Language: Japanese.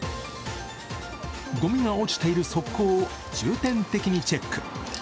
ごみが落ちている側溝を重点的にチェック。